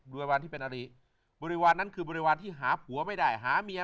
ริวารที่เป็นอริบริวารนั้นคือบริวารที่หาผัวไม่ได้หาเมีย